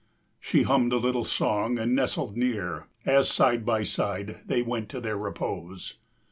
She hummed a little song and nestled near, As side by side they went to their repose.